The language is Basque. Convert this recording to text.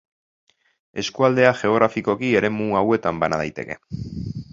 Eskualdea geografikoki eremu hauetan bana daiteke.